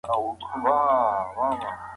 دا به مو ذهن تازه کړي.